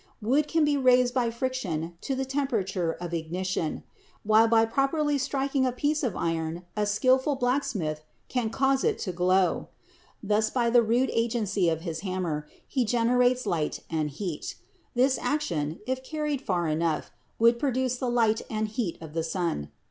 Wood can be raised by friction to the temperature of ignition ; while by properly striking a piece of iron a skilful blacksmith can cause it to glow. Thus, by the rude agency of his hammer, he generates light and heat. This action, if carried far enough, would pro duce the light and heat of the sun.